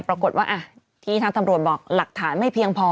ปรากฏว่าที่ทางตำรวจบอกหลักฐานไม่เพียงพอ